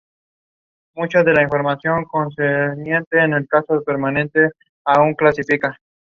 Charles Whiting Carroll acted as Lt.